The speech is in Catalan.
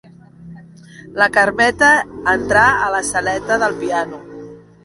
La Carmeta entrà a la saleta del piano.